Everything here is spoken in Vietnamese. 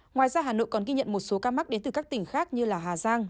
ngoài ra hà nội còn ghi nhận một số ca mắc đến từ các tỉnh khác như hà giang